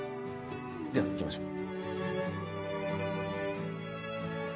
では行きましょう。